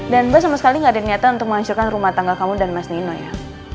dan mba sama sekali gak ada niatan untuk menghancurkan rumah tangga kamu dan mas nino ya